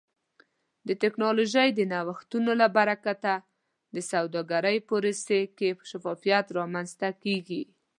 د ټکنالوژۍ د نوښتونو له برکته د سوداګرۍ پروسې کې شفافیت رامنځته کیږي.